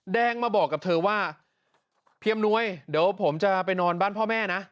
แดงมาบอกกับเธอว่าพี่อำนวยเดี๋ยวผมจะไปนอนบ้านพ่อแม่นะ